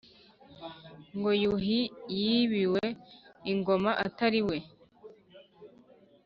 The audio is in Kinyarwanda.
Ngo Yuhi yibiwe ingoma Atari we ?